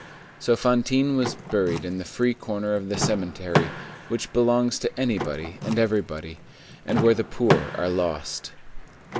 So Fantine was buried in the free corner of the cemetery which belongs to anybody and everybody, and where the poor are lost.